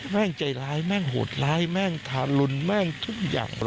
แม่งใจร้ายแม่งโหดร้ายแม่งทารุนแม่งทุกอย่าง